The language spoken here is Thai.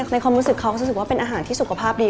ความรู้สึกเขาก็รู้สึกว่าเป็นอาหารที่สุขภาพดี